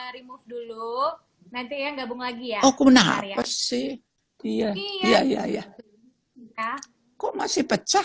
remoto dulu nanti yang gabung lagi makc euros iya ya ya ya kok masih pecah